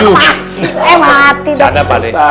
jangan ada pak d